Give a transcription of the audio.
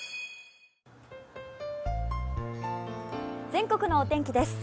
全国のお天気です。